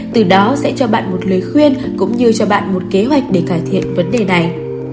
từ đó sẽ cho bạn một lời khuyên cũng như cho bạn một kế hoạch để cải thiện vấn đề này